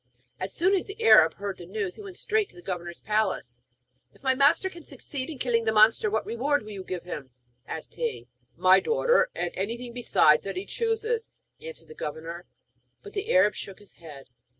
As soon as the Arab heard the news, he went straight to the governor's palace. 'If my master can succeed in killing the monster, what reward will you give him?' asked he. 'My daughter and anything besides that he chooses,' answered the governor. But the Arab shook his head.